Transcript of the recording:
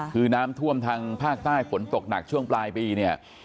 คือน้ำท่วมทางภาคใต้ฝนตกหนักช่วงปลายปีเนี่ย